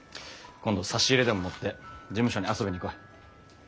今度差し入れでも持って事務所に遊びに来い。